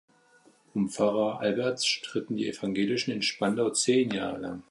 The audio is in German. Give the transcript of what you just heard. Um Pfarrer Albertz stritten die Evangelischen in Spandau zehn Jahre lang.